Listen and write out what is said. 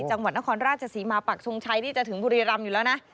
จังหวัดนครราชศรีมาปักทงชัยนี่จะถึงบุรีรำอยู่แล้วนะ